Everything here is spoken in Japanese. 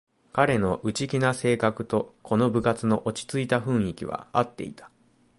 彼の内気な性格とこの部活の落ちついた雰囲気はあっていた